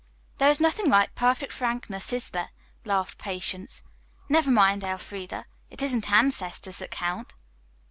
"There is nothing like perfect frankness, is there?" laughed Patience. "Never mind, Elfreda, it isn't ancestors that count."